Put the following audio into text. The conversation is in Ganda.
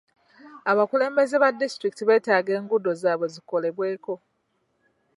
Abakulembeze ba disitulikiti beetaaga enguudo zaabwe zikolebweko.